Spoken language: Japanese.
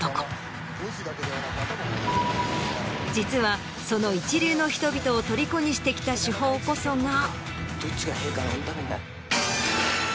実はその一流の人々を虜にしてきた手法こそが。